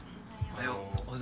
おはよう。